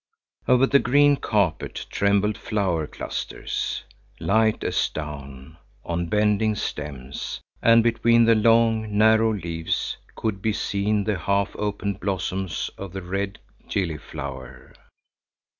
Over the green carpet trembled flower clusters, light as down, on bending stems, and between the long, narrow leaves could he seen the half opened blossoms of the red gillyflower.